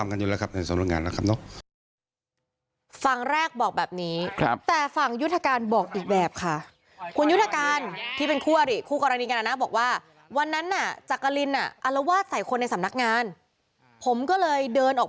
เขาไม่ทำกันอยู่แล้วครับในสำนักงานนะครับ